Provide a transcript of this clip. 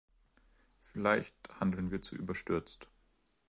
Vielleicht handeln wir zu überstürzt.